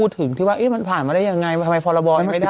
ถึงที่ว่ามันผ่านมาได้ยังไงทำไมพรบยังไม่ได้